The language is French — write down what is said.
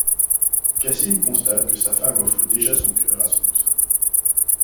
Cassim constate que sa femme offre déjà son cœur à son cousin.